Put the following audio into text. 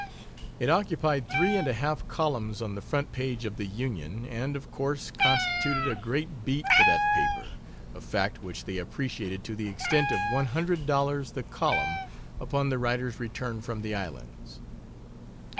It occupied three and a half columns on the front page of the Union, and, of course, constituted a great beat for that paper a fact which they appreciated to the extent of one hundred dollars the column upon the writer's return from the islands.